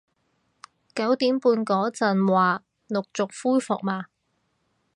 九點半嗰陣話陸續恢復嘛